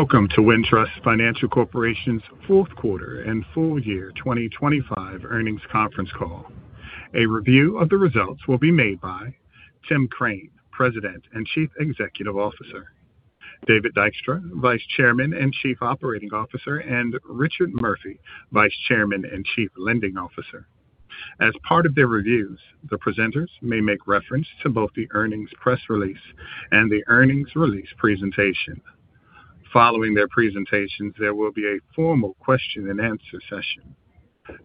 Welcome to Wintrust Financial Corporation's Fourth Quarter and Full Year 2025 Earnings Conference Call. A review of the results will be made by Tim Crane, President and Chief Executive Officer, David Dykstra, Vice Chairman and Chief Operating Officer, and Richard Murphy, Vice Chairman and Chief Lending Officer. As part of their reviews, the presenters may make reference to both the earnings press release and the earnings release presentation. Following their presentations, there will be a formal question-and-answer session.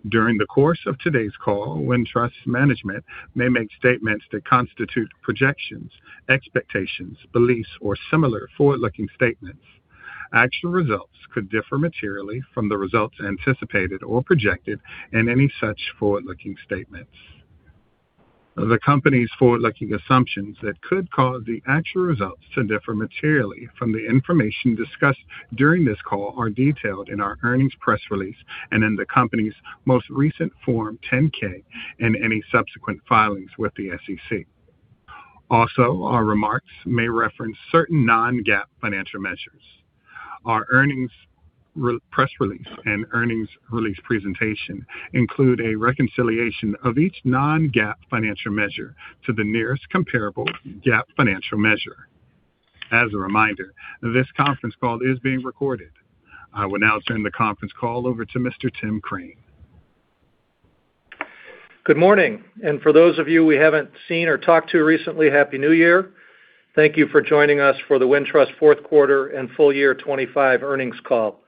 During the course of today's call, Wintrust Management may make statements that constitute projections, expectations, beliefs, or similar forward-looking statements. Actual results could differ materially from the results anticipated or projected in any such forward-looking statements. The company's forward-looking assumptions that could cause the actual results to differ materially from the information discussed during this call are detailed in our earnings press release and in the company's most recent Form 10-K and any subsequent filings with the SEC. Also, our remarks may reference certain non-GAAP financial measures. Our earnings press release and earnings release presentation include a reconciliation of each non-GAAP financial measure to the nearest comparable GAAP financial measure. As a reminder, this conference call is being recorded. I will now turn the conference call over to Mr. Tim Crane. Good morning, and for those of you we haven't seen or talked to recently, Happy New Year. Thank you for joining us for the Wintrust Fourth Quarter and Full Year 2025 earnings call.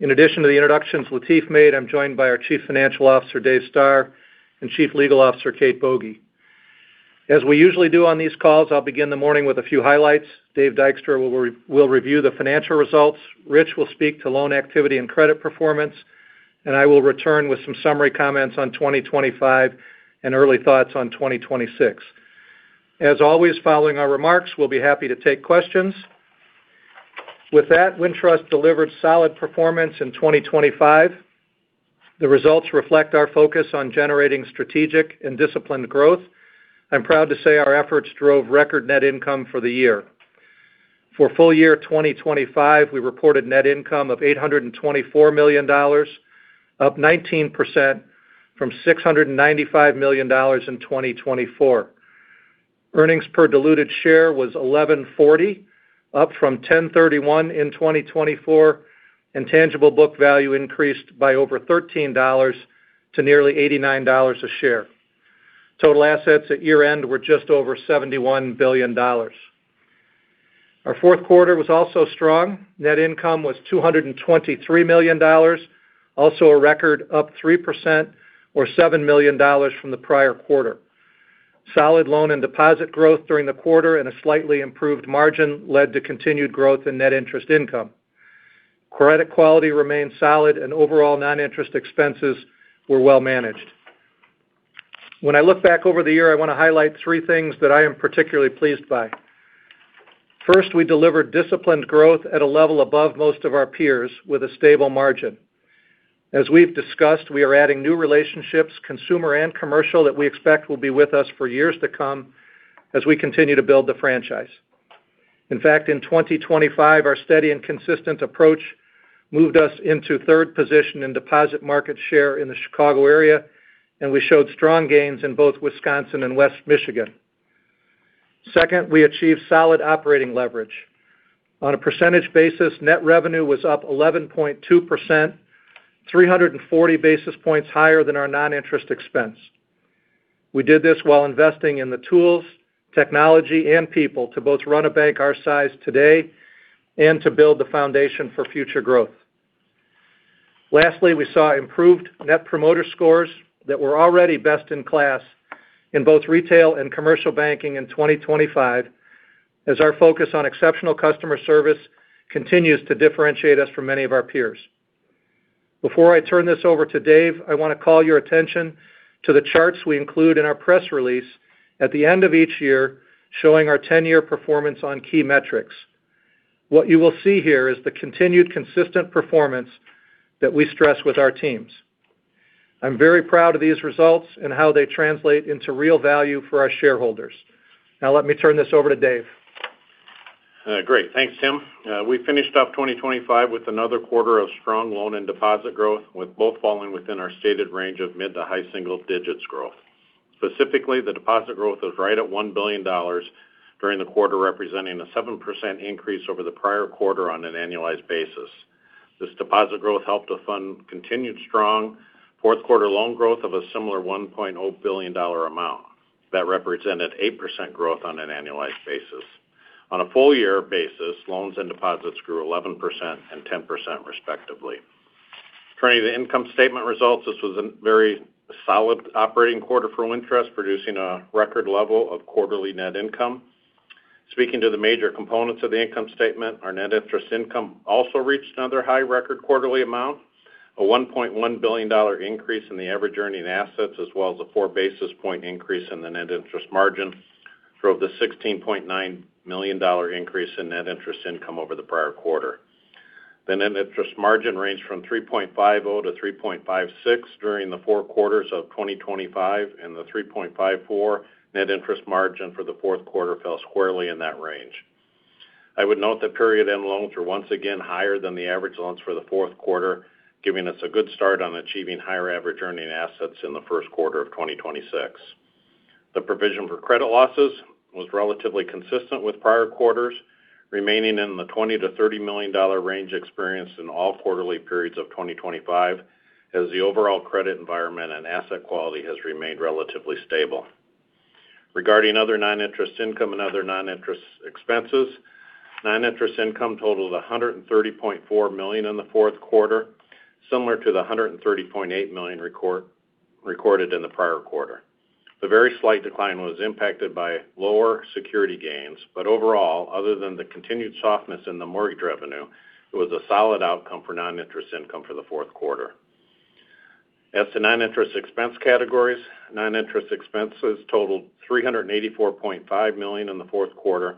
In addition to the introductions Latif made, I'm joined by our Chief Financial Officer, Dave Stoehr, and Chief Legal Officer, Kate Boege. As we usually do on these calls, I'll begin the morning with a few highlights. Dave Dykstra will review the financial results. Rich will speak to loan activity and credit performance. And I will return with some summary comments on 2025 and early thoughts on 2026. As always, following our remarks, we'll be happy to take questions. With that, Wintrust delivered solid performance in 2025. The results reflect our focus on generating strategic and disciplined growth. I'm proud to say our efforts drove record net income for the year. For full year 2025, we reported net income of $824 million, up 19% from $695 million in 2024. Earnings per diluted share was $11.40, up from $10.31 in 2024, and tangible book value increased by over $13 to nearly $89 a share. Total assets at year-end were just over $71 billion. Our fourth quarter was also strong. Net income was $223 million, also a record, up 3% or $7 million from the prior quarter. Solid loan and deposit growth during the quarter and a slightly improved margin led to continued growth in net interest income. Credit quality remained solid, and overall non-interest expenses were well managed. When I look back over the year, I want to highlight three things that I am particularly pleased by. First, we delivered disciplined growth at a level above most of our peers with a stable margin. As we've discussed, we are adding new relationships, consumer and commercial, that we expect will be with us for years to come as we continue to build the franchise. In fact, in 2025, our steady and consistent approach moved us into third position in deposit market share in the Chicago area, and we showed strong gains in both Wisconsin and West Michigan. Second, we achieved solid operating leverage. On a percentage basis, net revenue was up 11.2%, 340 basis points higher than our non-interest expense. We did this while investing in the tools, technology, and people to both run a bank our size today and to build the foundation for future growth. Lastly, we saw improved Net Promoter Scores that were already best in class in both retail and commercial banking in 2025, as our focus on exceptional customer service continues to differentiate us from many of our peers. Before I turn this over to Dave, I want to call your attention to the charts we include in our press release at the end of each year showing our 10-year performance on key metrics. What you will see here is the continued consistent performance that we stress with our teams. I'm very proud of these results and how they translate into real value for our shareholders. Now, let me turn this over to Dave. Great. Thanks, Tim. We finished off 2025 with another quarter of strong loan and deposit growth, with both falling within our stated range of mid to high single digits growth. Specifically, the deposit growth was right at $1 billion during the quarter, representing a 7% increase over the prior quarter on an annualized basis. This deposit growth helped to fund continued strong fourth quarter loan growth of a similar $1.0 billion amount that represented 8% growth on an annualized basis. On a full year basis, loans and deposits grew 11% and 10%, respectively. Turning to the income statement results, this was a very solid operating quarter for Wintrust, producing a record level of quarterly net income. Speaking to the major components of the income statement, our net interest income also reached another high record quarterly amount. A $1.1 billion increase in the average earning assets, as well as a four basis points increase in the net interest margin, drove the $16.9 million increase in net interest income over the prior quarter. The net interest margin ranged from 3.50%-3.56% during the four quarters of 2025, and the 3.54% net interest margin for the fourth quarter fell squarely in that range. I would note that period-end loans were once again higher than the average loans for the fourth quarter, giving us a good start on achieving higher average earning assets in the first quarter of 2026. The provision for credit losses was relatively consistent with prior quarters, remaining in the $20 million-$30 million range experienced in all quarterly periods of 2025, as the overall credit environment and asset quality has remained relatively stable. Regarding other non-interest income and other non-interest expenses, non-interest income totaled $130.4 million in the fourth quarter, similar to the $130.8 million recorded in the prior quarter. A very slight decline was impacted by lower security gains, but overall, other than the continued softness in the mortgage revenue, it was a solid outcome for non-interest income for the fourth quarter. As to non-interest expense categories, non-interest expenses totaled $384.5 million in the fourth quarter,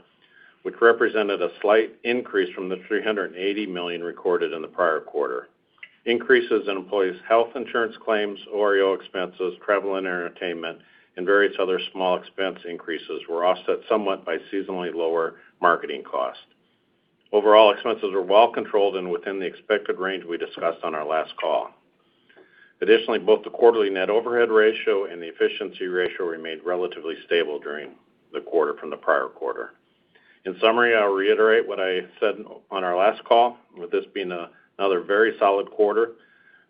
which represented a slight increase from the $380 million recorded in the prior quarter. Increases in employees' health insurance claims, OREO expenses, travel and entertainment, and various other small expense increases were offset somewhat by seasonally lower marketing cost. Overall, expenses were well controlled and within the expected range we discussed on our last call. Additionally, both the quarterly net overhead ratio and the efficiency ratio remained relatively stable during the quarter from the prior quarter. In summary, I'll reiterate what I said on our last call, with this being another very solid quarter.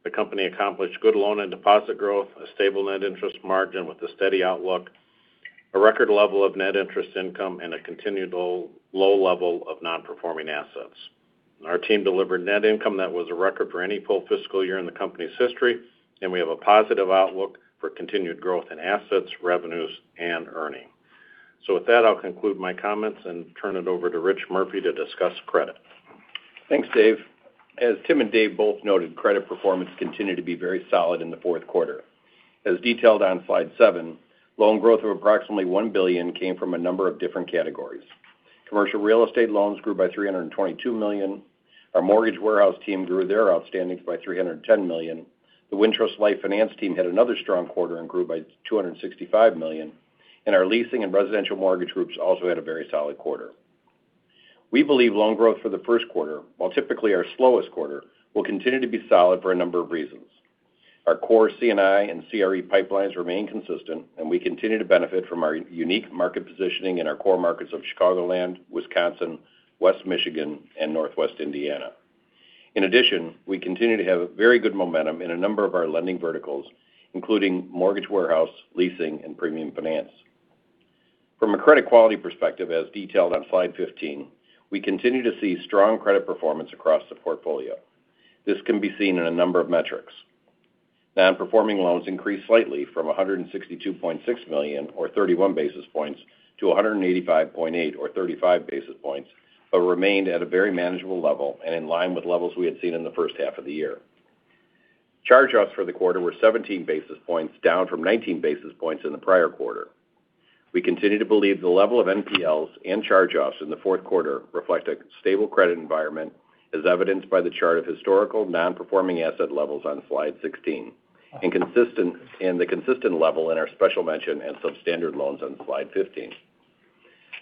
The company accomplished good loan and deposit growth, a stable net interest margin with a steady outlook, a record level of net interest income, and a continued low level of non-performing assets. Our team delivered net income that was a record for any full fiscal year in the company's history, and we have a positive outlook for continued growth in assets, revenues, and earnings. So with that, I'll conclude my comments and turn it over to Rich Murphy to discuss credit. Thanks, Dave. As Tim and Dave both noted, credit performance continued to be very solid in the fourth quarter. As detailed on slide seven, loan growth of approximately $1 billion came from a number of different categories. Commercial real estate loans grew by $322 million. Our mortgage warehouse team grew their outstandings by $310 million. The Wintrust Life Finance team had another strong quarter and grew by $265 million, and our leasing and residential mortgage groups also had a very solid quarter. We believe loan growth for the first quarter, while typically our slowest quarter, will continue to be solid for a number of reasons. Our core C&I and CRE pipelines remain consistent, and we continue to benefit from our unique market positioning in our core markets of Chicagoland, Wisconsin, West Michigan, and Northwest Indiana. In addition, we continue to have very good momentum in a number of our lending verticals, including mortgage warehouse, leasing, and premium finance. From a credit quality perspective, as detailed on slide 15, we continue to see strong credit performance across the portfolio. This can be seen in a number of metrics. Non-performing loans increased slightly from $162.6 million, or 31 basis points, to $185.8 million, or 35 basis points, but remained at a very manageable level and in line with levels we had seen in the first half of the year. Charge-offs for the quarter were 17 basis points, down from 19 basis points in the prior quarter. We continue to believe the level of NPLs and charge-offs in the fourth quarter reflect a stable credit environment, as evidenced by the chart of historical non-performing asset levels on slide 16, and the consistent level in our special mention and substandard loans on slide 15.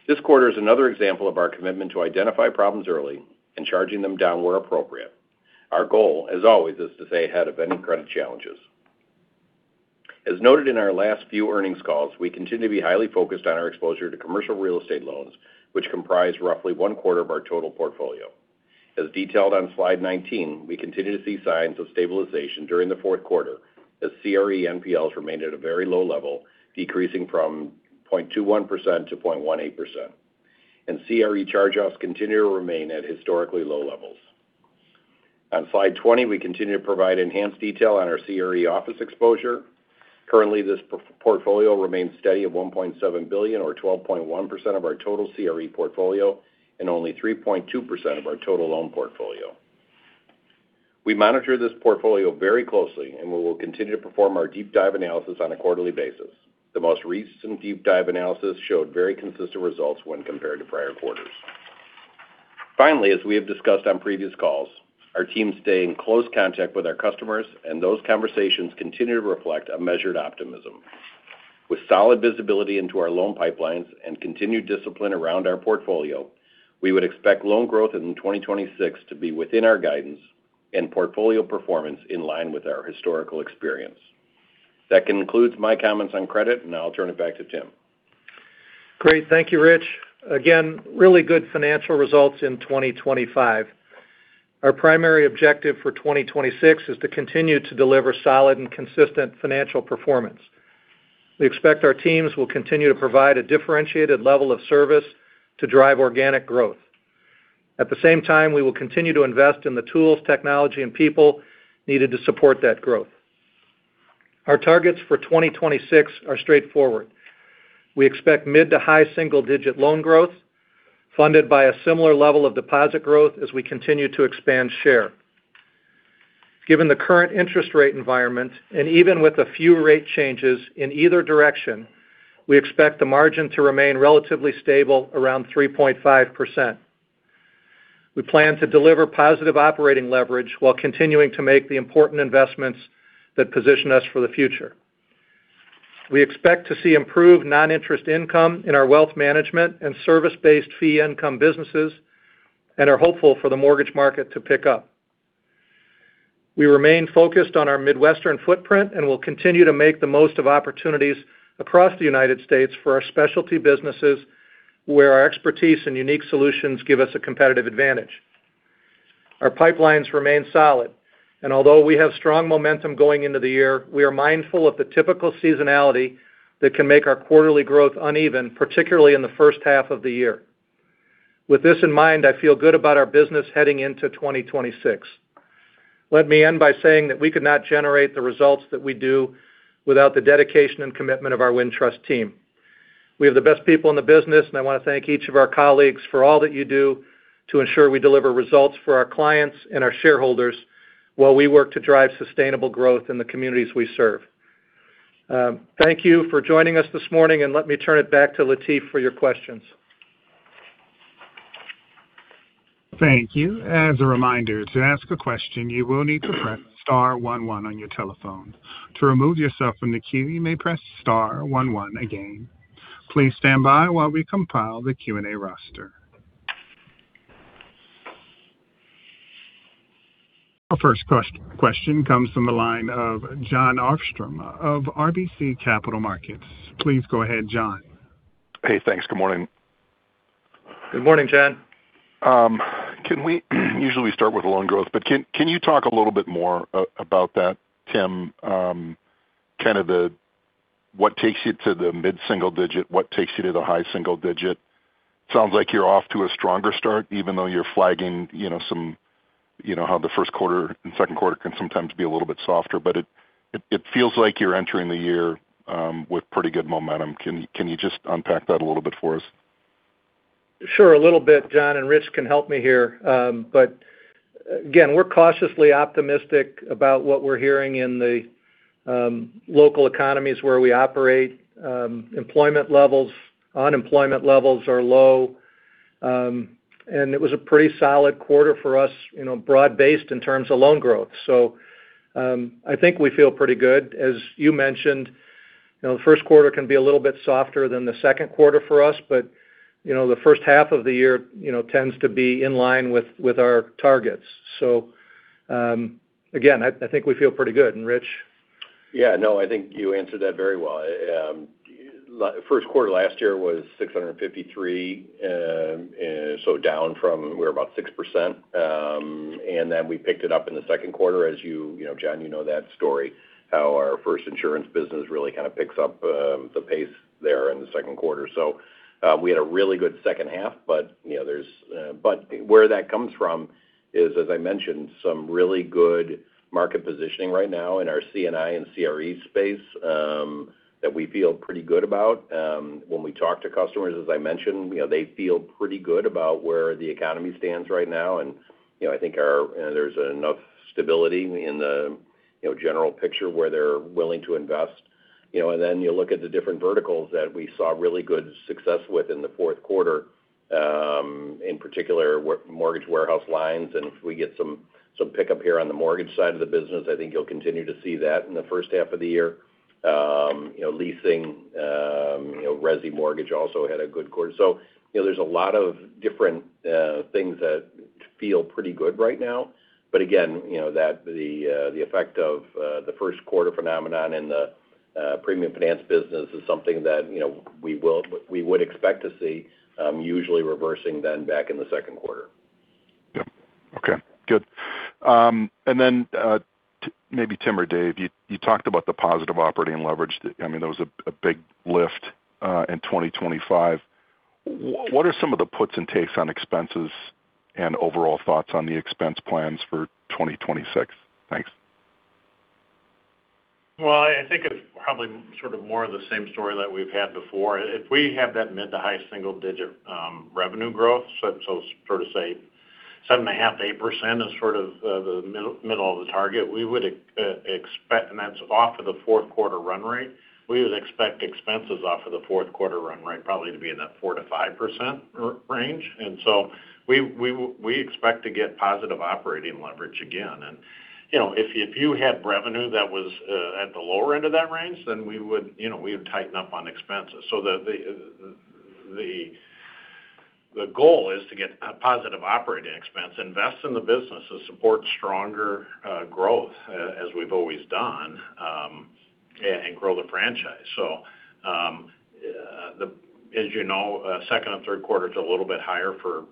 This quarter is another example of our commitment to identify problems early and charging them down where appropriate. Our goal, as always, is to stay ahead of any credit challenges. As noted in our last few earnings calls, we continue to be highly focused on our exposure to commercial real estate loans, which comprise roughly one quarter of our total portfolio. As detailed on slide 19, we continue to see signs of stabilization during the fourth quarter, as CRE NPLs remained at a very low level, decreasing from 0.21% to 0.18%, and CRE charge-offs continue to remain at historically low levels. On slide 20, we continue to provide enhanced detail on our CRE office exposure. Currently, this portfolio remains steady at $1.7 billion, or 12.1% of our total CRE portfolio, and only 3.2% of our total loan portfolio. We monitor this portfolio very closely, and we will continue to perform our deep dive analysis on a quarterly basis. The most recent deep dive analysis showed very consistent results when compared to prior quarters. Finally, as we have discussed on previous calls, our team stays in close contact with our customers, and those conversations continue to reflect a measured optimism. With solid visibility into our loan pipelines and continued discipline around our portfolio, we would expect loan growth in 2026 to be within our guidance and portfolio performance in line with our historical experience. That concludes my comments on credit, and I'll turn it back to Tim. Great. Thank you, Rich. Again, really good financial results in 2025. Our primary objective for 2026 is to continue to deliver solid and consistent financial performance. We expect our teams will continue to provide a differentiated level of service to drive organic growth. At the same time, we will continue to invest in the tools, technology, and people needed to support that growth. Our targets for 2026 are straightforward. We expect mid to high single-digit loan growth funded by a similar level of deposit growth as we continue to expand share. Given the current interest rate environment, and even with a few rate changes in either direction, we expect the margin to remain relatively stable around 3.5%. We plan to deliver positive operating leverage while continuing to make the important investments that position us for the future. We expect to see improved non-interest income in our wealth management and service-based fee income businesses and are hopeful for the mortgage market to pick up. We remain focused on our Midwestern footprint and will continue to make the most of opportunities across the United States for our specialty businesses where our expertise and unique solutions give us a competitive advantage. Our pipelines remain solid, and although we have strong momentum going into the year, we are mindful of the typical seasonality that can make our quarterly growth uneven, particularly in the first half of the year. With this in mind, I feel good about our business heading into 2026. Let me end by saying that we could not generate the results that we do without the dedication and commitment of our Wintrust team. We have the best people in the business, and I want to thank each of our colleagues for all that you do to ensure we deliver results for our clients and our shareholders while we work to drive sustainable growth in the communities we serve. Thank you for joining us this morning, and let me turn it back to Latif for your questions. Thank you. As a reminder, to ask a question, you will need to press star one one on your telephone. To remove yourself from the queue, you may press star one one again. Please stand by while we compile the Q&A roster. Our first question comes from the line of Jon Arfstrom of RBC Capital Markets. Please go ahead, Jon. Hey, thanks. Good morning. Good morning, Jon. Usually, we start with loan growth, but can you talk a little bit more about that, Tim, kind of what takes you to the mid-single digit, what takes you to the high single digit? It sounds like you're off to a stronger start, even though you're flagging how the first quarter and second quarter can sometimes be a little bit softer, but it feels like you're entering the year with pretty good momentum. Can you just unpack that a little bit for us? Sure, a little bit, Jon, and Rich can help me here. But again, we're cautiously optimistic about what we're hearing in the local economies where we operate. Employment levels, unemployment levels are low, and it was a pretty solid quarter for us, broad-based in terms of loan growth. So I think we feel pretty good. As you mentioned, the first quarter can be a little bit softer than the second quarter for us, but the first half of the year tends to be in line with our targets. So again, I think we feel pretty good. And Rich? Yeah, no, I think you answered that very well. First quarter last year was 653, so down from we were about 6%. And then we picked it up in the second quarter, as you, Jon, you know that story, how our First Insurance business really kind of picks up the pace there in the second quarter. So we had a really good second half, but where that comes from is, as I mentioned, some really good market positioning right now in our C&I and CRE space that we feel pretty good about. When we talk to customers, as I mentioned, they feel pretty good about where the economy stands right now. And I think there's enough stability in the general picture where they're willing to invest. And then you look at the different verticals that we saw really good success with in the fourth quarter, in particular, mortgage warehouse lines. And if we get some pickup here on the mortgage side of the business, I think you'll continue to see that in the first half of the year. Leasing, Resi Mortgage also had a good quarter. So there's a lot of different things that feel pretty good right now. But again, the effect of the first quarter phenomenon in the premium finance business is something that we would expect to see, usually reversing then back in the second quarter. Yeah. Okay. Good. And then maybe Tim or Dave, you talked about the positive operating leverage. I mean, there was a big lift in 2025. What are some of the puts and takes on expenses and overall thoughts on the expense plans for 2026? Thanks. I think it's probably sort of more of the same story that we've had before. If we have that mid- to high single-digit revenue growth, so sort of say 7.5%-8% is sort of the middle of the target we would expect, and that's off of the fourth quarter run rate. We would expect expenses off of the fourth quarter run rate probably to be in that 4%-5% range. And so we expect to get positive operating leverage again. And if you had revenue that was at the lower end of that range, then we would tighten up on expenses. So the goal is to get positive operating leverage, invest in the business, and support stronger growth, as we've always done, and grow the franchise. So as you know, second and third quarters are a little bit higher for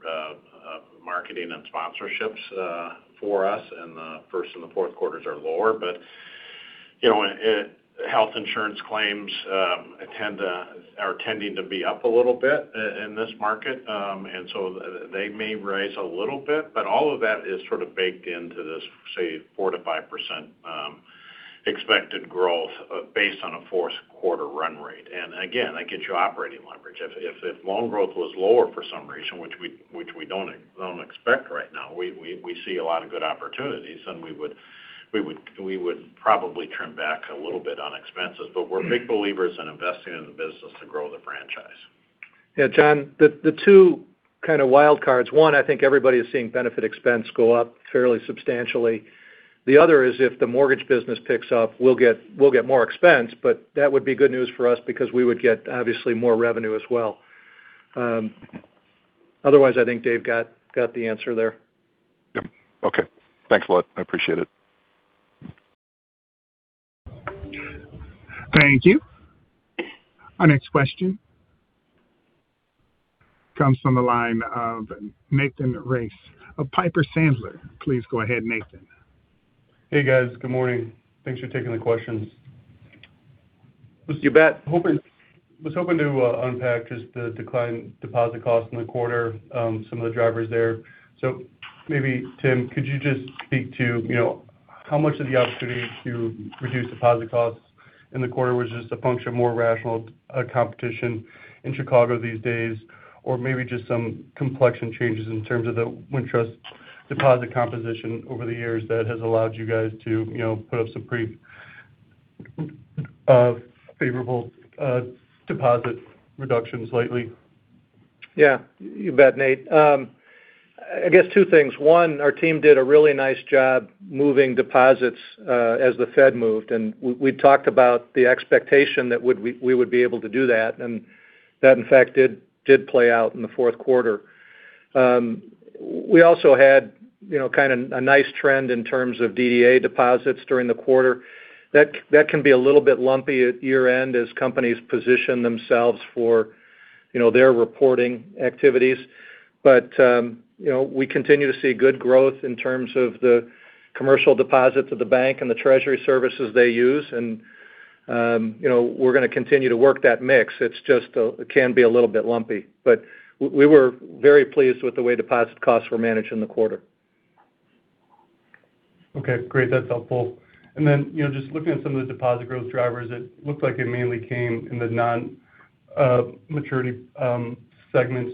marketing and sponsorships for us, and the first and the fourth quarters are lower. But health insurance claims are tending to be up a little bit in this market, and so they may rise a little bit, but all of that is sort of baked into this, say, 4%-5% expected growth based on a fourth quarter run rate. And again, that gets you operating leverage. If loan growth was lower for some reason, which we don't expect right now, we see a lot of good opportunities, and we would probably trim back a little bit on expenses. But we're big believers in investing in the business to grow the franchise. Yeah, John, the two kind of wild cards. One, I think everybody is seeing benefit expense go up fairly substantially. The other is if the mortgage business picks up, we'll get more expense, but that would be good news for us because we would get, obviously, more revenue as well. Otherwise, I think Dave got the answer there. Yep. Okay. Thanks a lot. I appreciate it. Thank you. Our next question comes from the line of Nathan Race of Piper Sandler. Please go ahead, Nathan. Hey, guys. Good morning. Thanks for taking the questions. This is your bet. I was hoping to unpack just the deposit cost in the quarter, some of the drivers there. So maybe, Tim, could you just speak to how much of the opportunity to reduce deposit costs in the quarter was just a function of more rational competition in Chicago these days, or maybe just some complexity and changes in terms of the Wintrust deposit composition over the years that has allowed you guys to put up some pretty favorable deposit reductions lately? Yeah. You bet, Nate. I guess two things. One, our team did a really nice job moving deposits as the Fed moved, and we talked about the expectation that we would be able to do that, and that, in fact, did play out in the fourth quarter. We also had kind of a nice trend in terms of DDA deposits during the quarter. That can be a little bit lumpy at year-end as companies position themselves for their reporting activities. But we continue to see good growth in terms of the commercial deposits of the bank and the treasury services they use, and we're going to continue to work that mix. It just can be a little bit lumpy, but we were very pleased with the way deposit costs were managed in the quarter. Okay. Great. That's helpful, and then just looking at some of the deposit growth drivers, it looked like it mainly came in the non-maturity segment,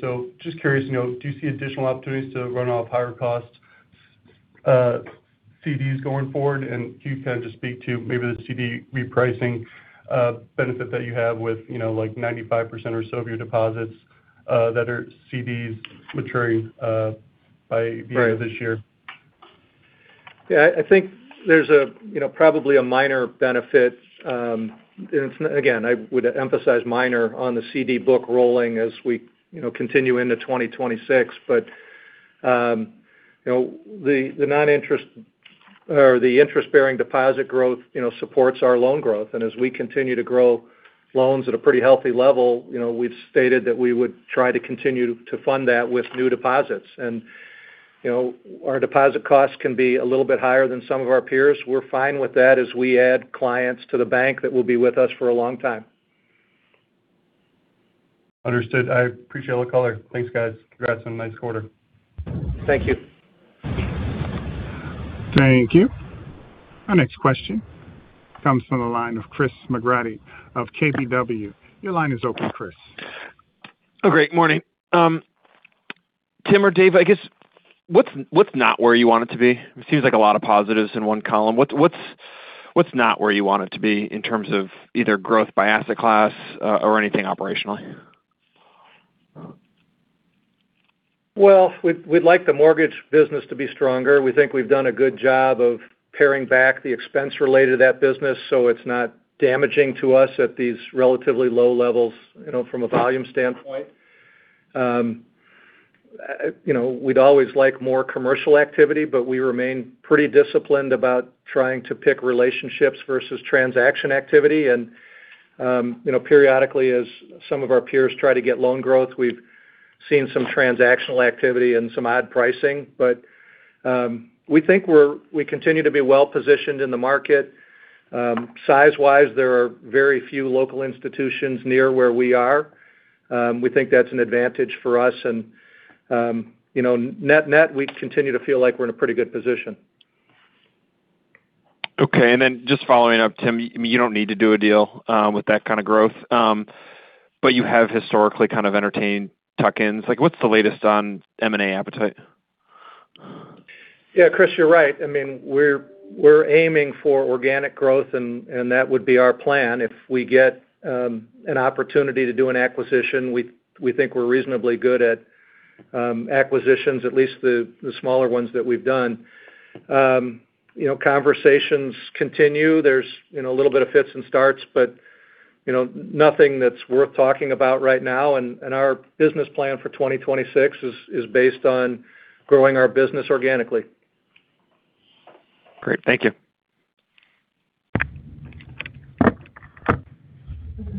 so just curious, do you see additional opportunities to run off higher cost CDs going forward, and can you kind of just speak to maybe the CD repricing benefit that you have with like 95% or so of your deposits that are CDs maturing by the end of this year? Yeah. I think there's probably a minor benefit. And again, I would emphasize minor on the CD book rolling as we continue into 2026. But the non-interest or the interest-bearing deposit growth supports our loan growth. And as we continue to grow loans at a pretty healthy level, we've stated that we would try to continue to fund that with new deposits. And our deposit costs can be a little bit higher than some of our peers. We're fine with that as we add clients to the bank that will be with us for a long time. Understood. I appreciate it, Latif. Thanks, guys. Congrats on a nice quarter. Thank you. Thank you. Our next question comes from the line of Chris McGratty of KBW. Your line is open, Chris. Oh, great. Good morning. Tim or Dave, I guess, what's not where you want it to be? It seems like a lot of positives in one column. What's not where you want it to be in terms of either growth by asset class or anything operationally? We'd like the mortgage business to be stronger. We think we've done a good job of paring back the expense related to that business so it's not damaging to us at these relatively low levels from a volume standpoint. We'd always like more commercial activity, but we remain pretty disciplined about trying to pick relationships versus transaction activity. And periodically, as some of our peers try to get loan growth, we've seen some transactional activity and some odd pricing. But we think we continue to be well-positioned in the market. Size-wise, there are very few local institutions near where we are. We think that's an advantage for us. And net-net, we continue to feel like we're in a pretty good position. Okay. And then just following up, Tim, you don't need to do a deal with that kind of growth, but you have historically kind of entertained tuck-ins. What's the latest on M&A appetite? Yeah, Chris, you're right. I mean, we're aiming for organic growth, and that would be our plan. If we get an opportunity to do an acquisition, we think we're reasonably good at acquisitions, at least the smaller ones that we've done. Conversations continue. There's a little bit of fits and starts, but nothing that's worth talking about right now. And our business plan for 2026 is based on growing our business organically. Great. Thank you.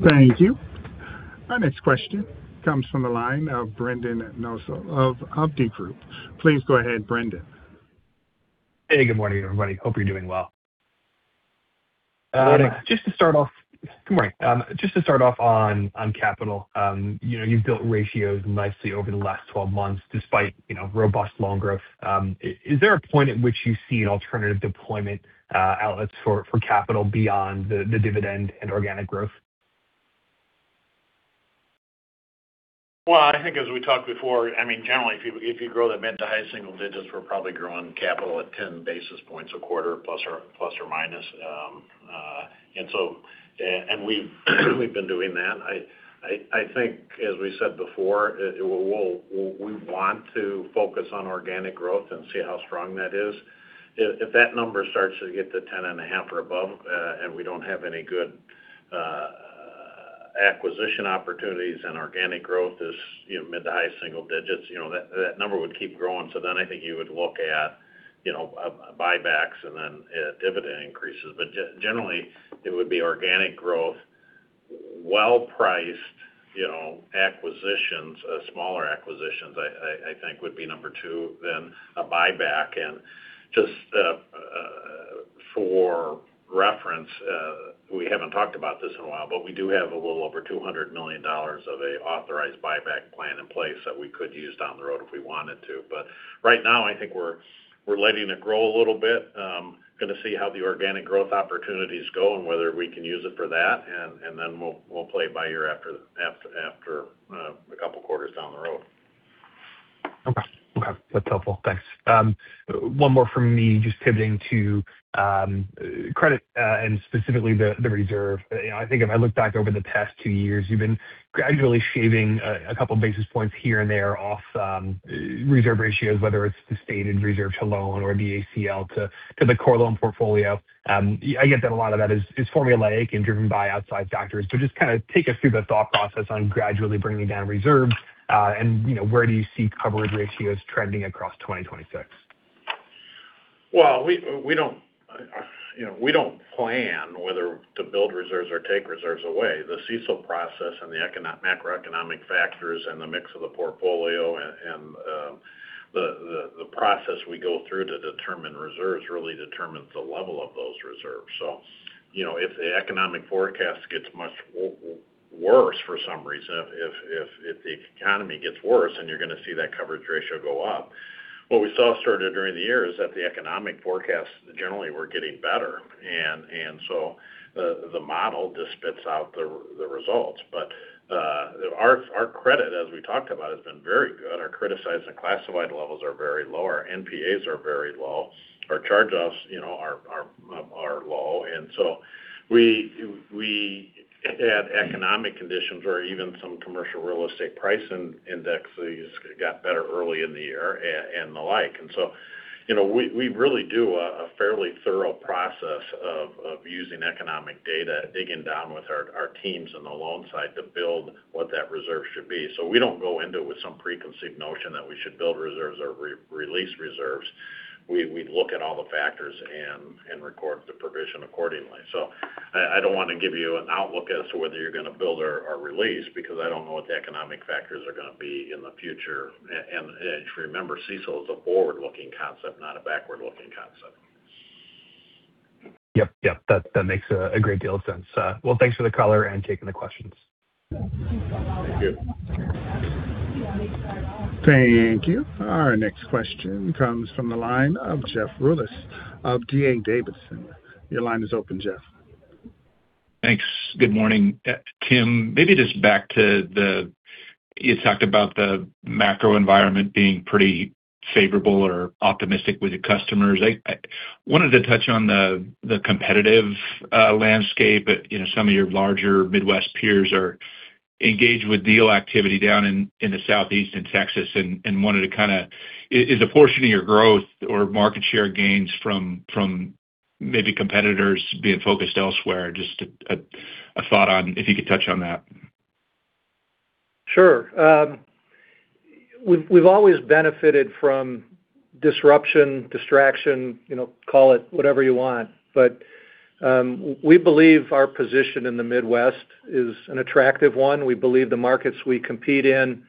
Thank you. Our next question comes from the line of Brendan Nosal of Hovde Group. Please go ahead, Brendan. Hey, good morning, everybody. Hope you're doing well. Good morning. Just to start off, good morning. Just to start off on capital, you've built ratios nicely over the last 12 months despite robust loan growth. Is there a point at which you see an alternative deployment outlet for capital beyond the dividend and organic growth? I think as we talked before, I mean, generally, if you grow that mid to high single digits, we're probably growing capital at 10 basis points a quarter plus or minus, and we've been doing that. I think, as we said before, we want to focus on organic growth and see how strong that is. If that number starts to get to 10 and a half or above and we don't have any good acquisition opportunities and organic growth is mid to high single digits, that number would keep growing. Then I think you would look at buybacks and then dividend increases. Generally, it would be organic growth, well-priced acquisitions. Smaller acquisitions, I think, would be number two, then a buyback. And just for reference, we haven't talked about this in a while, but we do have a little over $200 million of an authorized buyback plan in place that we could use down the road if we wanted to. But right now, I think we're letting it grow a little bit. Going to see how the organic growth opportunities go and whether we can use it for that. And then we'll play it by ear after a couple of quarters down the road. Okay. Okay. That's helpful. Thanks. One more from me, just pivoting to credit and specifically the reserve. I think if I look back over the past two years, you've been gradually shaving a couple of basis points here and there off reserve ratios, whether it's the stated reserve to loan or the ACL to the core loan portfolio. I get that a lot of that is formulaic and driven by outside factors. But just kind of take us through the thought process on gradually bringing down reserves and where do you see coverage ratios trending across 2026? Well, we don't plan whether to build reserves or take reserves away. The CECL process and the macroeconomic factors and the mix of the portfolio and the process we go through to determine reserves really determines the level of those reserves. So if the economic forecast gets much worse for some reason, if the economy gets worse, and you're going to see that coverage ratio go up, what we saw started during the year is that the economic forecasts generally were getting better. And so the model just spits out the results. But our credit, as we talked about, has been very good. Our criticized and classified levels are very low. Our NPAs are very low. Our charge-offs are low. And so we had economic conditions where even some commercial real estate price indexes got better early in the year and the like. And so we really do a fairly thorough process of using economic data, digging down with our teams on the loan side to build what that reserve should be. So we don't go into it with some preconceived notion that we should build reserves or release reserves. We look at all the factors and record the provision accordingly. So I don't want to give you an outlook as to whether you're going to build or release because I don't know what the economic factors are going to be in the future. And if you remember, CECL is a forward-looking concept, not a backward-looking concept. Yep. Yep. That makes a great deal of sense. Well, thanks for the color and taking the questions. Thank you. Thank you. Our next question comes from the line of Jeff Rulis of D.A. Davidson. Your line is open, Jeff. Thanks. Good morning, Tim. Maybe just back to the you talked about the macro environment being pretty favorable or optimistic with your customers. I wanted to touch on the competitive landscape. Some of your larger Midwest peers are engaged with deal activity down in the Southeast in Texas and wanted to kind of is a portion of your growth or market share gains from maybe competitors being focused elsewhere? Just a thought on if you could touch on that. Sure. We've always benefited from disruption, distraction, call it whatever you want. But we believe our position in the Midwest is an attractive one. We believe the markets we compete in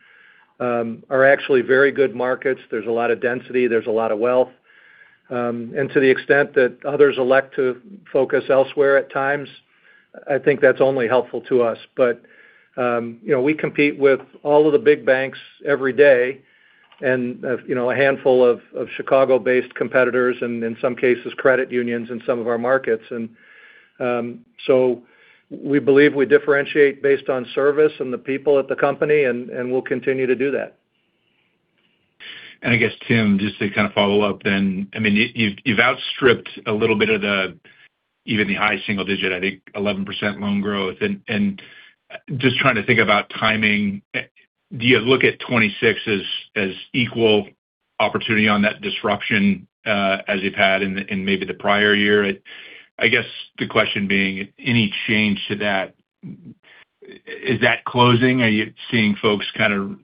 are actually very good markets. There's a lot of density. There's a lot of wealth. And to the extent that others elect to focus elsewhere at times, I think that's only helpful to us. But we compete with all of the big banks every day and a handful of Chicago-based competitors and, in some cases, credit unions in some of our markets. And so we believe we differentiate based on service and the people at the company, and we'll continue to do that. And I guess, Tim, just to kind of follow up then, I mean, you've outstripped a little bit of the even the high single digit, I think, 11% loan growth. And just trying to think about timing, do you look at 2026 as equal opportunity on that disruption as you've had in maybe the prior year? I guess the question being, any change to that? Is that closing? Are you seeing folks kind of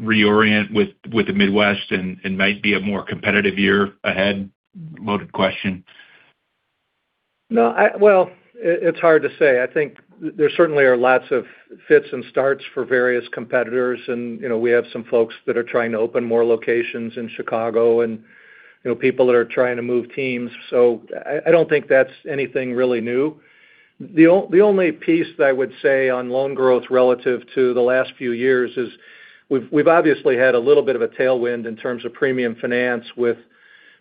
reorient with the Midwest and might be a more competitive year ahead? Loaded question. It's hard to say. I think there certainly are lots of fits and starts for various competitors, and we have some folks that are trying to open more locations in Chicago and people that are trying to move teams, so I don't think that's anything really new. The only piece that I would say on loan growth relative to the last few years is we've obviously had a little bit of a tailwind in terms of premium finance with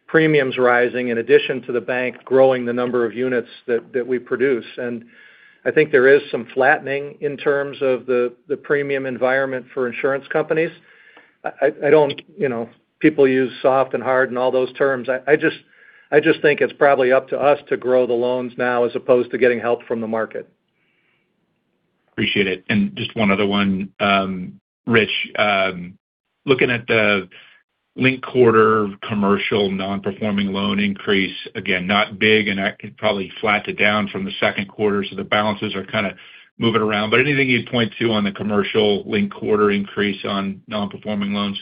premiums rising in addition to the bank growing the number of units that we produce. And I think there is some flattening in terms of the premium environment for insurance companies. I don't know. People use soft and hard and all those terms. I just think it's probably up to us to grow the loans now as opposed to getting help from the market. Appreciate it. And just one other one, Rich. Looking at the linked quarter commercial non-performing loan increase, again, not big, and that could probably flatten it down from the second quarter. So the balances are kind of moving around. But anything you'd point to on the commercial linked quarter increase on non-performing loans?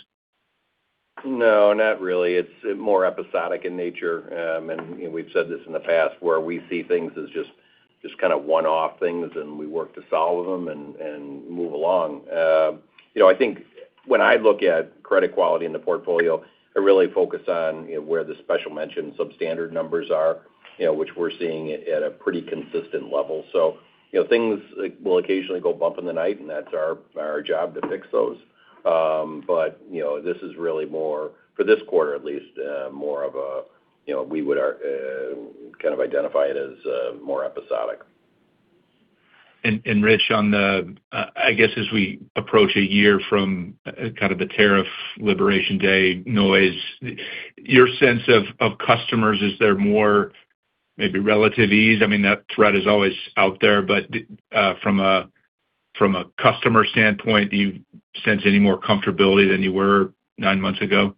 No, not really. It's more episodic in nature, and we've said this in the past where we see things as just kind of one-off things, and we work to solve them and move along. I think when I look at credit quality in the portfolio, I really focus on where the special mention substandard numbers are, which we're seeing at a pretty consistent level, so things will occasionally go bump in the night, and that's our job to fix those, but this is really more, for this quarter at least, more of a we would kind of identify it as more episodic. Rich, on the, I guess, as we approach a year from kind of the tariff liberation day noise, your sense of customers, is there more maybe relative ease? I mean, that threat is always out there. But from a customer standpoint, do you sense any more comfortability than you were nine months ago?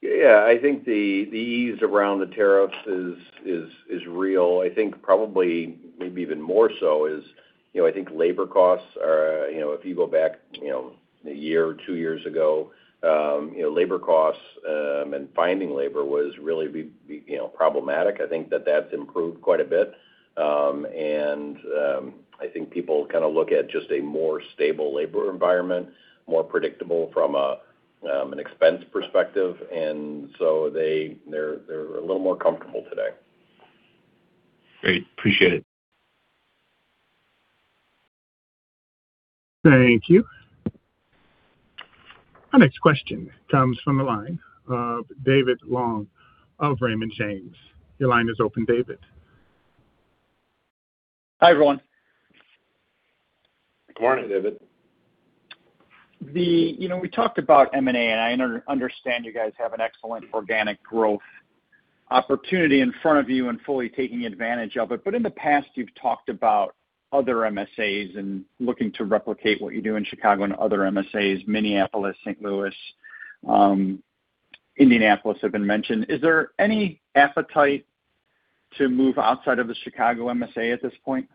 Yeah. I think the ease around the tariffs is real. I think probably maybe even more so is, I think, labor costs are, if you go back a year or two years ago, labor costs and finding labor was really problematic. I think that that's improved quite a bit, and I think people kind of look at just a more stable labor environment, more predictable from an expense perspective, and so they're a little more comfortable today. Great. Appreciate it. Thank you. Our next question comes from the line of David Long of Raymond James. Your line is open, David. Hi, everyone. Good morning, David. We talked about M&A, and I understand you guys have an excellent organic growth opportunity in front of you and fully taking advantage of it. But in the past, you've talked about other MSAs and looking to replicate what you do in Chicago and other MSAs, Minneapolis, St. Louis, Indianapolis have been mentioned. Is there any appetite to move outside of the Chicago MSA at this point?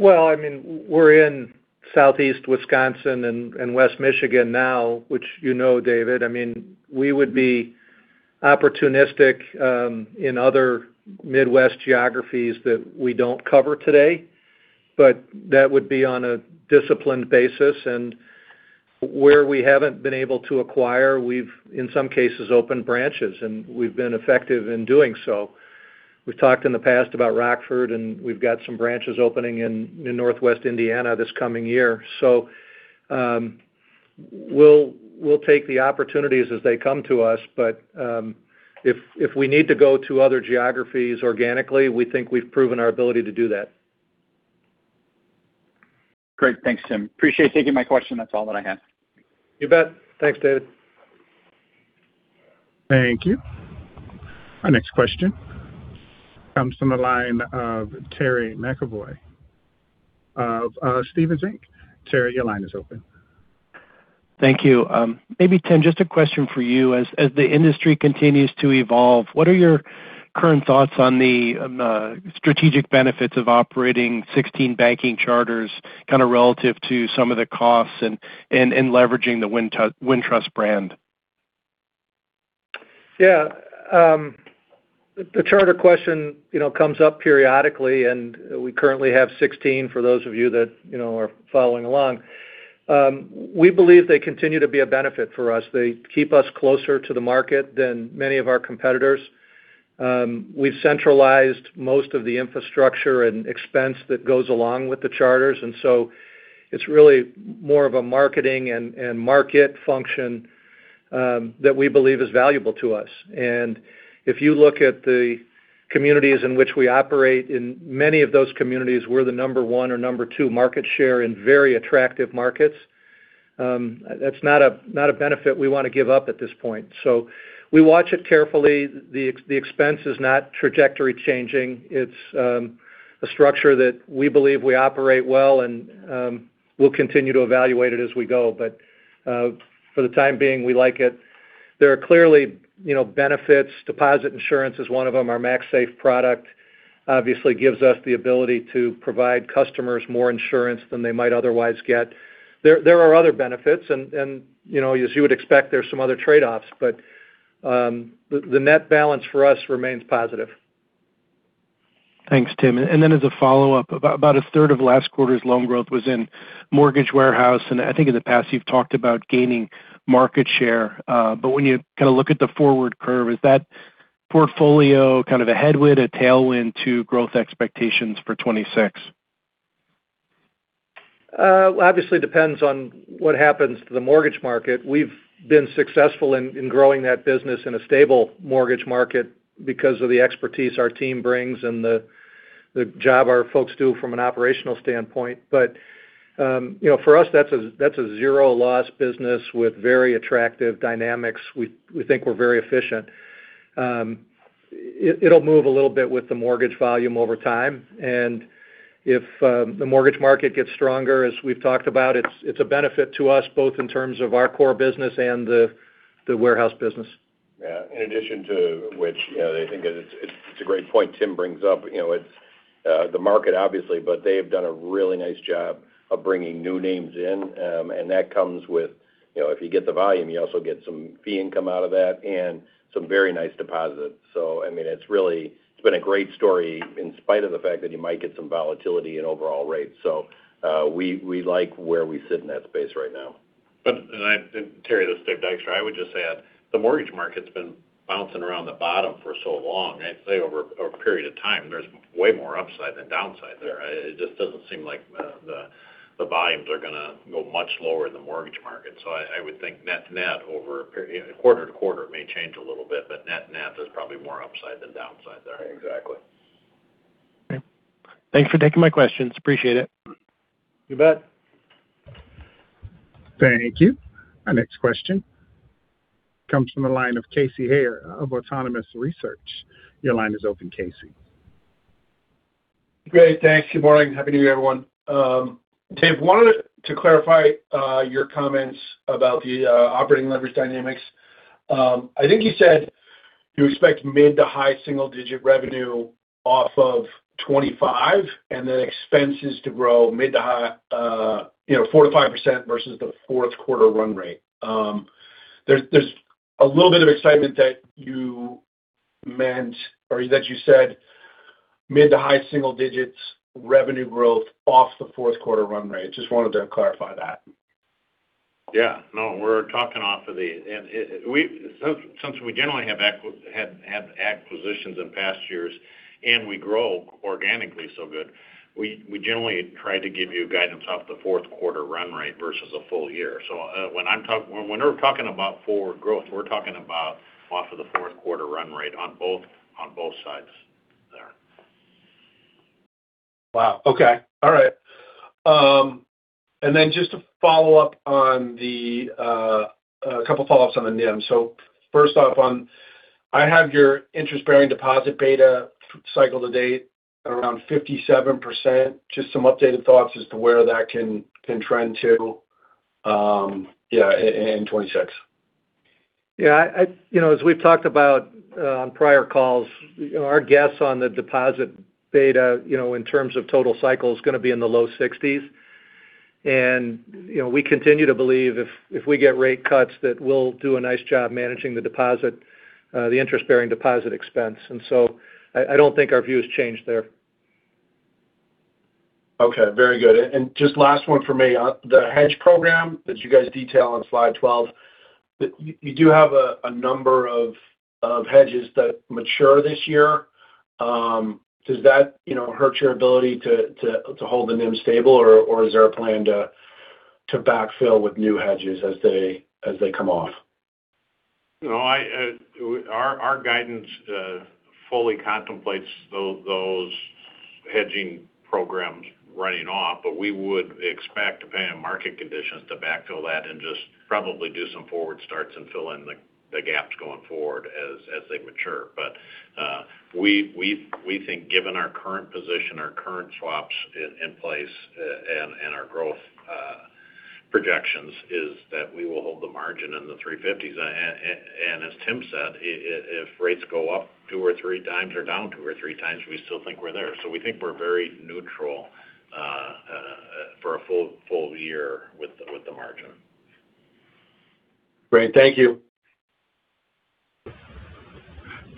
I mean, we're in southeast Wisconsin and West Michigan now, which you know, David. I mean, we would be opportunistic in other Midwest geographies that we don't cover today, but that would be on a disciplined basis. Where we haven't been able to acquire, we've in some cases opened branches, and we've been effective in doing so. We've talked in the past about Rockford, and we've got some branches opening in Northwest Indiana this coming year. We'll take the opportunities as they come to us. If we need to go to other geographies organically, we think we've proven our ability to do that. Great. Thanks, Tim. Appreciate taking my question. That's all that I have. You bet. Thanks, David. Thank you. Our next question comes from the line of Terry McEvoy of Stephens Inc. Terry, your line is open. Thank you. Maybe, Tim, just a question for you. As the industry continues to evolve, what are your current thoughts on the strategic benefits of operating 16 banking charters kind of relative to some of the costs and leveraging the Wintrust brand? Yeah. The charter question comes up periodically, and we currently have 16 for those of you that are following along. We believe they continue to be a benefit for us. They keep us closer to the market than many of our competitors. We've centralized most of the infrastructure and expense that goes along with the charters. And so it's really more of a marketing and market function that we believe is valuable to us. And if you look at the communities in which we operate, in many of those communities, we're the number one or number two market share in very attractive markets. That's not a benefit we want to give up at this point. So we watch it carefully. The expense is not trajectory changing. It's a structure that we believe we operate well, and we'll continue to evaluate it as we go. But for the time being, we like it. There are clearly benefits. Deposit insurance is one of them. Our MaxSafe product obviously gives us the ability to provide customers more insurance than they might otherwise get. There are other benefits. And as you would expect, there are some other trade-offs. But the net balance for us remains positive. Thanks, Tim. And then as a follow-up, about a third of last quarter's loan growth was in mortgage warehouse. And I think in the past, you've talked about gaining market share. But when you kind of look at the forward curve, is that portfolio kind of a headwind, a tailwind to growth expectations for 2026? Obviously, it depends on what happens to the mortgage market. We've been successful in growing that business in a stable mortgage market because of the expertise our team brings and the job our folks do from an operational standpoint. But for us, that's a zero-loss business with very attractive dynamics. We think we're very efficient. It'll move a little bit with the mortgage volume over time. And if the mortgage market gets stronger, as we've talked about, it's a benefit to us both in terms of our core business and the warehouse business. Yeah. In addition to which, yeah, I think it's a great point Tim brings up. It's the market, obviously, but they have done a really nice job of bringing new names in. And that comes with if you get the volume, you also get some fee income out of that and some very nice deposits. So I mean, it's been a great story in spite of the fact that you might get some volatility in overall rates. So we like where we sit in that space right now. And Terry, this to Dykstra, I would just add the mortgage market's been bouncing around the bottom for so long. I'd say over a period of time, there's way more upside than downside there. It just doesn't seem like the volumes are going to go much lower in the mortgage market. So I would think net-net over a quarter to quarter may change a little bit, but net-net there's probably more upside than downside there. Exactly. Thanks for taking my questions. Appreciate it. You bet. Thank you. Our next question comes from the line of Casey Haire of Autonomous Research. Your line is open, Casey. Great. Thanks. Good morning. Happy New Year, everyone. Tim, I wanted to clarify your comments about the operating leverage dynamics. I think you said you expect mid- to high-single-digit revenue off of 2025 and then expenses to grow mid- to high 4%-5% versus the fourth quarter run rate. There's a little bit of excitement that you meant or that you said mid- to high-single-digit revenue growth off the fourth quarter run rate. Just wanted to clarify that. Yeah. No, we're talking off of that since we generally have acquisitions in past years and we grow organically so good, we generally try to give you guidance off the fourth quarter run rate versus a full year. So when we're talking about forward growth, we're talking about off of the fourth quarter run rate on both sides there. Wow. Okay. All right. And then just to follow up on a couple of follow-ups on the NIM. So first off, I have your interest-bearing deposit beta cycle to date around 57%. Just some updated thoughts as to where that can trend to, yeah, in 2026. Yeah. As we've talked about on prior calls, our guess on the deposit beta in terms of total cycle is going to be in the low 60s. And we continue to believe if we get rate cuts that we'll do a nice job managing the deposit, the interest-bearing deposit expense. And so I don't think our view has changed there. Okay. Very good. And just last one for me. The hedge program that you guys detail on slide 12, you do have a number of hedges that mature this year. Does that hurt your ability to hold the NIM stable, or is there a plan to backfill with new hedges as they come off? No. Our guidance fully contemplates those hedging programs running off, but we would expect, depending on market conditions, to backfill that and just probably do some forward starts and fill in the gaps going forward as they mature, but we think, given our current position, our current swaps in place, and our growth projections, is that we will hold the margin in the 350s, and as Tim said, if rates go up two or three times or down two or three times, we still think we're there, so we think we're very neutral for a full year with the margin. Great. Thank you.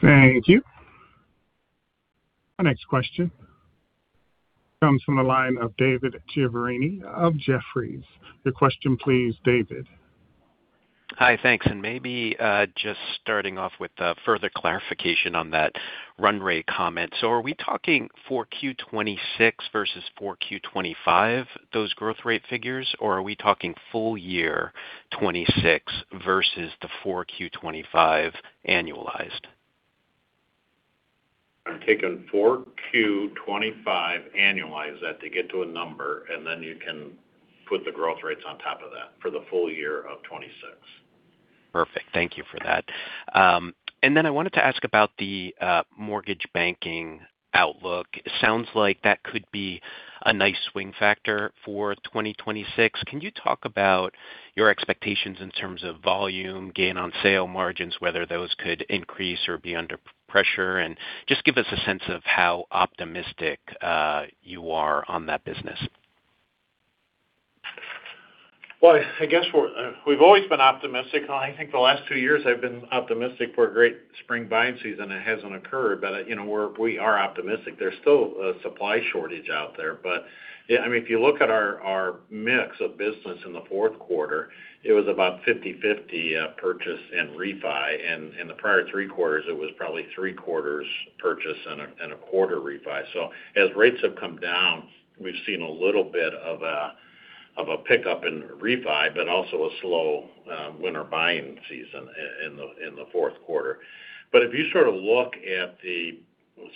Thank you. Our next question comes from the line of David Chiaverini of Jefferies. Your question, please, David. Hi. Thanks. Maybe just starting off with further clarification on that run rate comment. So are we talking 4Q 2026 versus 4Q 2025, those growth rate figures, or are we talking full year 2026 versus the 4Q 2025 annualized? I'm taking 4Q 2025 annualized that to get to a number, and then you can put the growth rates on top of that for the full year of 2026. Perfect. Thank you for that. And then I wanted to ask about the mortgage banking outlook. It sounds like that could be a nice swing factor for 2026. Can you talk about your expectations in terms of volume, gain on sale margins, whether those could increase or be under pressure, and just give us a sense of how optimistic you are on that business? I guess we've always been optimistic. I think the last two years, I've been optimistic for a great spring buying season. It hasn't occurred, but we are optimistic. There's still a supply shortage out there. I mean, if you look at our mix of business in the fourth quarter, it was about 50/50 purchase and refi. In the prior three quarters, it was probably three quarters purchase and a quarter refi. As rates have come down, we've seen a little bit of a pickup in refi, but also a slow winter buying season in the fourth quarter. But if you sort of look at the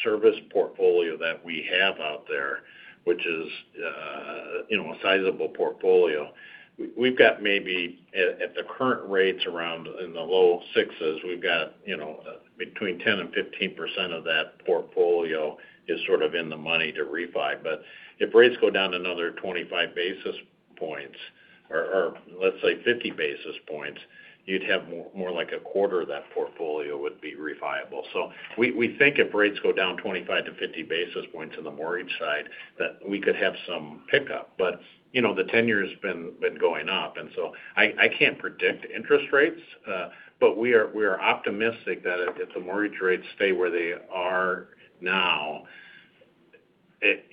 servicing portfolio that we have out there, which is a sizable portfolio, we've got maybe at the current rates around in the low 6s. We've got between 10% and 15% of that portfolio is sort of in the money to refi. But if rates go down another 25 basis points or let's say 50 basis points, you'd have more like a quarter of that portfolio would be refinancable. So we think if rates go down 25 to 50 basis points on the mortgage side, that we could have some pickup. But the ten-year has been going up. And so I can't predict interest rates, but we are optimistic that if the mortgage rates stay where they are now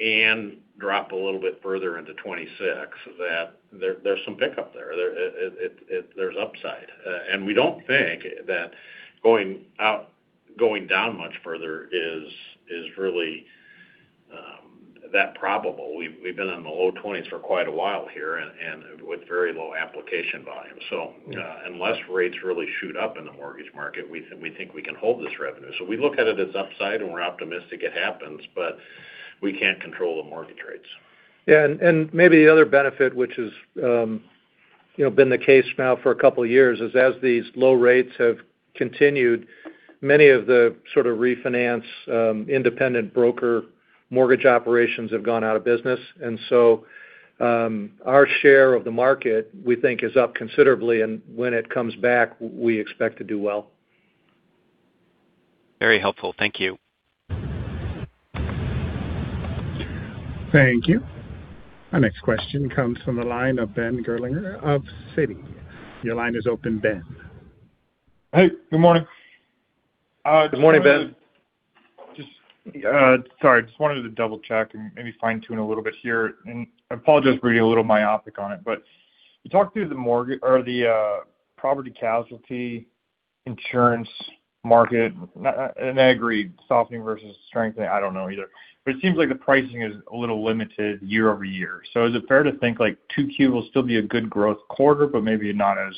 and drop a little bit further into 2026, that there's some pickup there. There's upside. And we don't think that going down much further is really that probable. We've been in the low 20s for quite a while here and with very low application volume. So unless rates really shoot up in the mortgage market, we think we can hold this revenue. So we look at it as upside, and we're optimistic it happens, but we can't control the mortgage rates. Yeah. And maybe the other benefit, which has been the case now for a couple of years, is as these low rates have continued, many of the sort of refinance independent broker mortgage operations have gone out of business. And so our share of the market, we think, is up considerably. And when it comes back, we expect to do well. Very helpful. Thank you. Thank you. Our next question comes from the line of Ben Gerlinger of Citi. Your line is open, Ben. Hey. Good morning. Good morning, Ben. Sorry. Just wanted to double-check and maybe fine-tune a little bit here, and I apologize for being a little myopic on it, but you talked through the property casualty insurance market, and I agree, softening versus strengthening, I don't know either, but it seems like the pricing is a little limited year-over-year, so is it fair to think 2Q will still be a good growth quarter, but maybe not as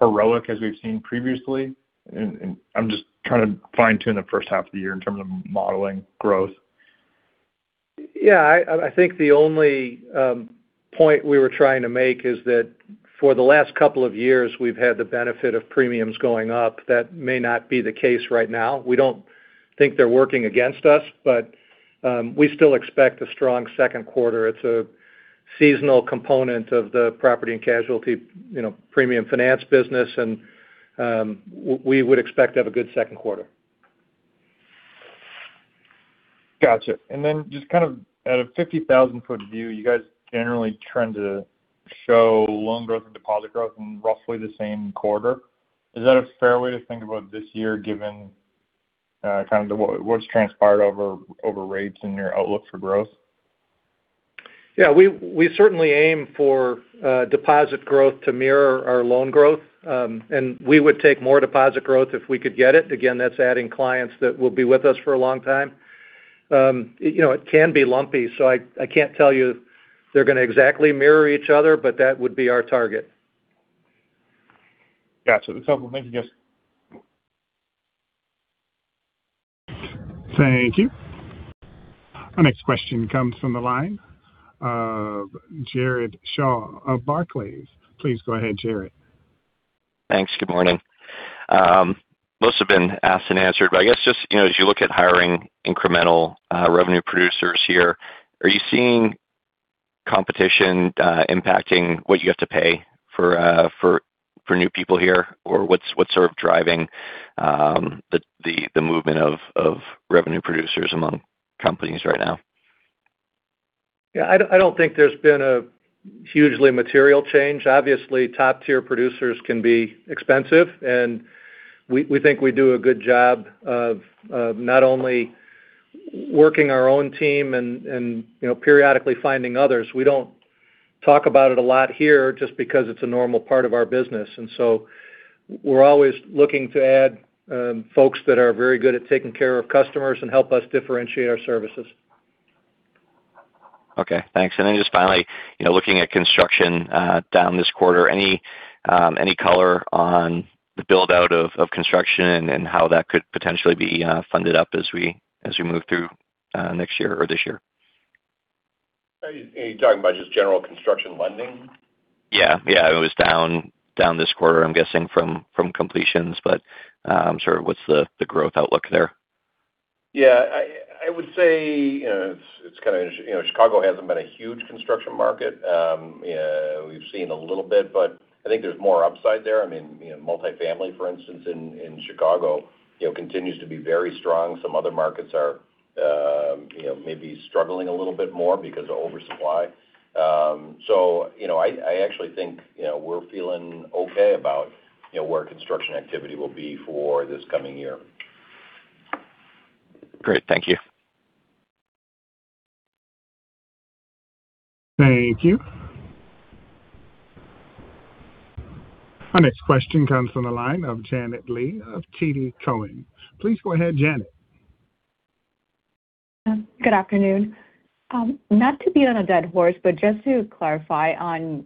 heroic as we've seen previously? I'm just trying to fine-tune the first half of the year in terms of modeling growth. Yeah. I think the only point we were trying to make is that for the last couple of years, we've had the benefit of premiums going up. That may not be the case right now. We don't think they're working against us, but we still expect a strong second quarter. It's a seasonal component of the property and casualty premium finance business, and we would expect to have a good second quarter. Gotcha, and then just kind of at a 50,000 ft view, you guys generally tend to show loan growth and deposit growth in roughly the same quarter. Is that a fair way to think about this year given kind of what's transpired over rates and your outlook for growth? Yeah. We certainly aim for deposit growth to mirror our loan growth. And we would take more deposit growth if we could get it. Again, that's adding clients that will be with us for a long time. It can be lumpy, so I can't tell you they're going to exactly mirror each other, but that would be our target. Gotcha. That's helpful. Thank you, guys. Thank you. Our next question comes from the line of Jared Shaw of Barclays. Please go ahead, Jared. Thanks. Good morning. Most have been asked and answered, but I guess just as you look at hiring incremental revenue producers here, are you seeing competition impacting what you have to pay for new people here, or what's sort of driving the movement of revenue producers among companies right now? Yeah. I don't think there's been a hugely material change. Obviously, top-tier producers can be expensive, and we think we do a good job of not only working our own team and periodically finding others. We don't talk about it a lot here just because it's a normal part of our business. And so we're always looking to add folks that are very good at taking care of customers and help us differentiate our services. Okay. Thanks. And then just finally, looking at construction down this quarter, any color on the build-out of construction and how that could potentially be funded up as we move through next year or this year? Are you talking about just general construction lending? Yeah. It was down this quarter, I'm guessing, from completions. But sort of what's the growth outlook there? Yeah. I would say it's kind of, Chicago hasn't been a huge construction market. We've seen a little bit, but I think there's more upside there. I mean, multifamily, for instance, in Chicago continues to be very strong. Some other markets are maybe struggling a little bit more because of oversupply. So I actually think we're feeling okay about where construction activity will be for this coming year. Great. Thank you. Thank you. Our next question comes from the line of Janet Lee of TD Cowen. Please go ahead, Janet. Good afternoon. Not to beat a dead horse, but just to clarify on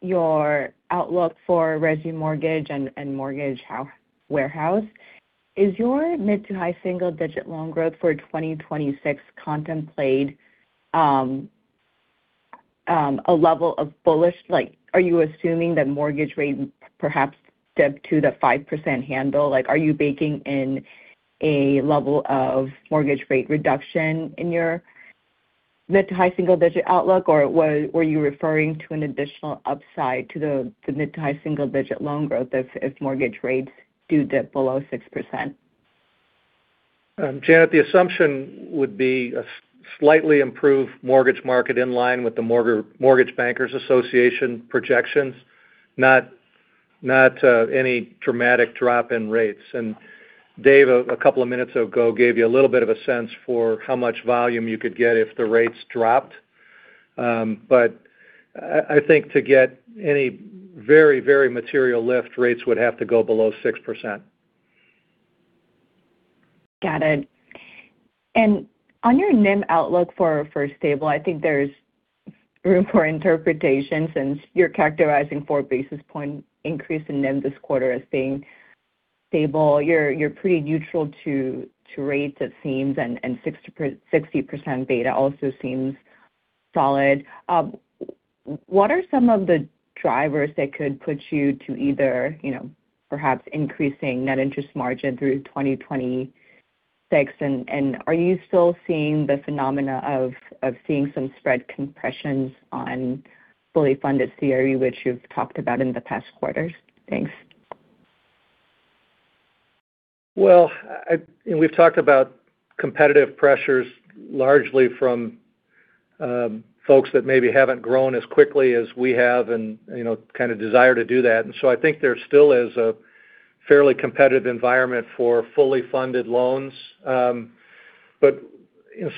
your outlook for Resi Mortgage and Mortgage Warehouse, is your mid to high single-digit loan growth for 2026 contemplate a level of bullish? Are you assuming that mortgage rates perhaps dip to the 5% handle? Are you baking in a level of mortgage rate reduction in your mid to high single-digit outlook, or were you referring to an additional upside to the mid to high single-digit loan growth if mortgage rates do dip below 6%? Janet, the assumption would be a slightly improved mortgage market in line with the Mortgage Bankers Association projections, not any dramatic drop in rates. And Dave, a couple of minutes ago, gave you a little bit of a sense for how much volume you could get if the rates dropped. But I think to get any very, very material lift, rates would have to go below 6%. Got it. And on your NIM outlook for stable, I think there's room for interpretation since you're characterizing four basis point increase in NIM this quarter as being stable. You're pretty neutral to rates it seems, and 60% beta also seems solid. What are some of the drivers that could put you to either perhaps increasing net interest margin through 2026? And are you still seeing the phenomena of seeing some spread compressions on fully funded CRE, which you've talked about in the past quarters? Thanks. Well, we've talked about competitive pressures largely from folks that maybe haven't grown as quickly as we have and kind of desire to do that. And so I think there still is a fairly competitive environment for fully funded loans. But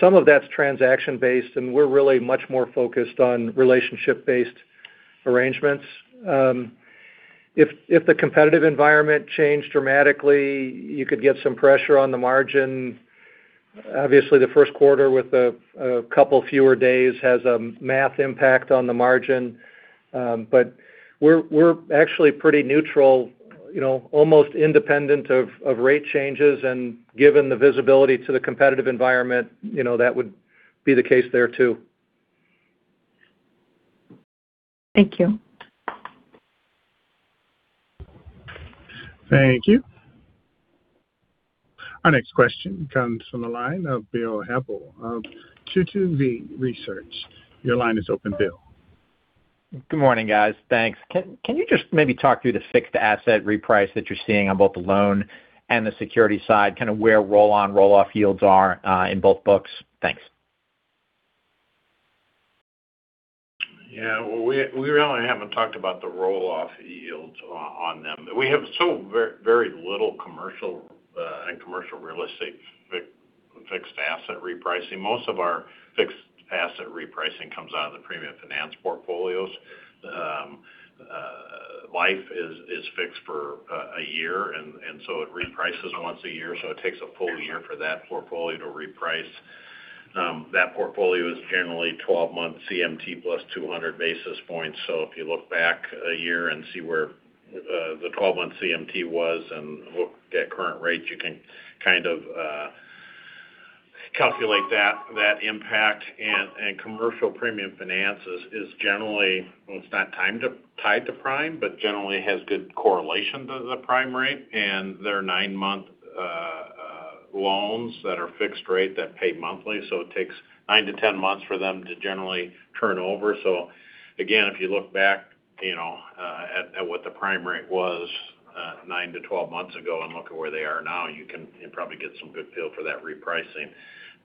some of that's transaction-based, and we're really much more focused on relationship-based arrangements. If the competitive environment changed dramatically, you could get some pressure on the margin. Obviously, the first quarter with a couple fewer days has a math impact on the margin. But we're actually pretty neutral, almost independent of rate changes. And given the visibility to the competitive environment, that would be the case there too. Thank you. Thank you. Our next question comes from the line of Bill Happle of 22V Research. Your line is open, Bill. Good morning, guys. Thanks. Can you just maybe talk through the fixed asset repricing that you're seeing on both the loan and the security side, kind of where roll-on, roll-off yields are in both books? Thanks. Yeah. Well, we really haven't talked about the roll-off yields on them. We have so very little commercial and commercial real estate fixed asset repricing. Most of our fixed asset repricing comes out of the premium finance portfolios. Life is fixed for a year, and so it reprices once a year. So it takes a full year for that portfolio to reprice. That portfolio is generally 12-month CMT plus 200 basis points. So if you look back a year and see where the 12-month CMT was and look at current rates, you can kind of calculate that impact. And commercial premium finance is generally, well, it's not tied to Prime, but generally has good correlation to the Prime Rate. And there are nine-month loans that are fixed rate that pay monthly. So it takes nine to 10 months for them to generally turn over. So again, if you look back at what the Prime rate was nine to 12 months ago and look at where they are now, you can probably get some good feel for that repricing.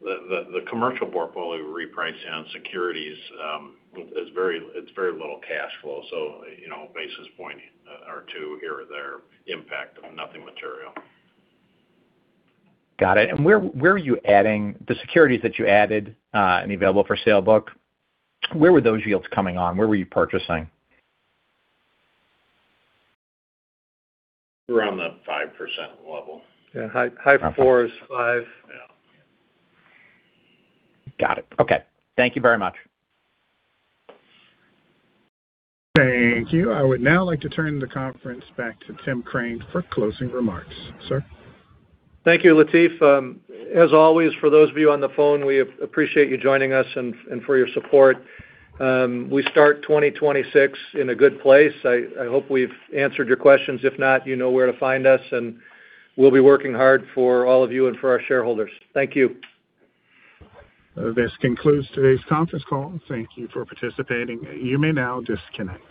The commercial portfolio repricing on securities, it's very little cash flow. So basis point or two here or there, impact of nothing material. Got it. And where are you adding the securities that you added in the available for sale book? Where were those yields coming on? Where were you purchasing? Around the 5% level. Yeah. High fours, five. Yeah. Got it. Okay. Thank you very much. Thank you. I would now like to turn the conference back to Tim Crane for closing remarks. Sir. Thank you, Latif. As always, for those of you on the phone, we appreciate you joining us and for your support. We start 2026 in a good place. I hope we've answered your questions. If not, you know where to find us, and we'll be working hard for all of you and for our shareholders. Thank you. This concludes today's conference call. Thank you for participating. You may now disconnect.